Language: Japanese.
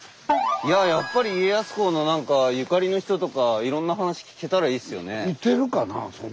やっぱり家康公の何かゆかりの人とかいろんな話聞けたらいいですよね。